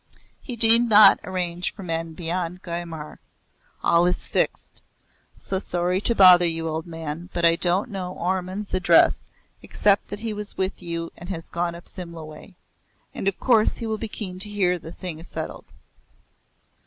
He need not arrange for men beyond Gyumur. All is fixed. So sorry to bother you, old man, but I don't know Ormond's address, except that he was with you and has gone up Simla way. And of course he will be keen to hear the thing is settled."